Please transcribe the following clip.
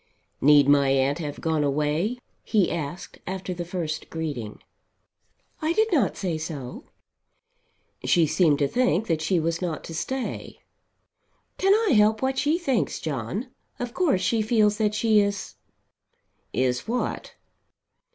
"Need my aunt have gone away?" he asked after the first greeting. "I did not say so." "She seemed to think that she was not to stay." "Can I help what she thinks, John? Of course she feels that she is " "Is what?"